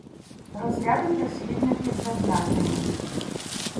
Розряди прислівників за значенням